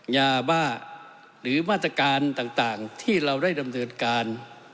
ยาบ้าหรือมาตรการต่างที่เราได้ดำเนินการ